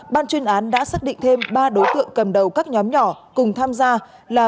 ban chuyên án đã xác định thêm ba đối tượng cầm đầu các nhóm nhỏ cùng tham gia là